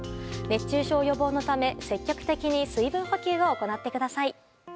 熱中症予防のため、積極的に水分補給を行ってください。